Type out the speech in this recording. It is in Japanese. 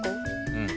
うん。